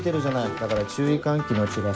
だから注意喚起のチラシ。